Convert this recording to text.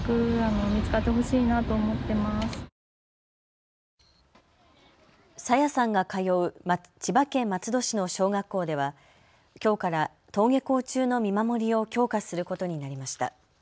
朝芽さんが通う千葉県松戸市の小学校ではきょうから登下校中の見守りを強化することになりました。